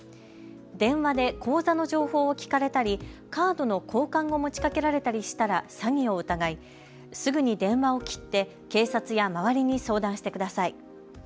電話で口座の情報を聞かれたりカードの交換を持ちかけられたりしたら詐欺を疑い、すぐに電話を切って警察や周りに相談してください。